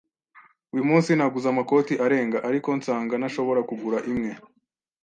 Uyu munsi naguze amakoti arenga, ariko nsanga ntashobora kugura imwe.